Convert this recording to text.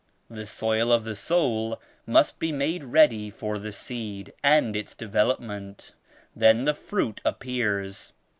The soil of the soul must be made ready for the seed and its development; then the fruit appears.